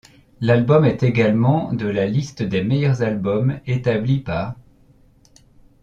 L'album est également de la liste des meilleurs albums établie par '.